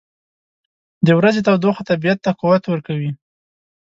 • د ورځې تودوخه طبیعت ته قوت ورکوي.